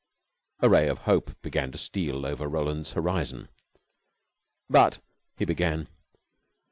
A ray of hope began to steal over Roland's horizon. "But " he began.